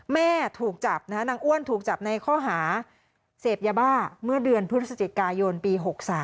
แม่ถูกจับนางอ้วนถูกจับในข้อหาเสพยาบ้าเมื่อเดือนพฤศจิกายนปี๖๓